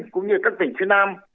cũng như các tỉnh phía nam